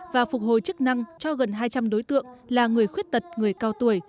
và phục hồi chức năng cho gần hai trăm linh đối tượng là người khuyết tật người cao tuổi